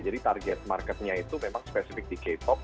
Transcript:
jadi target marketnya itu memang spesifik di k pop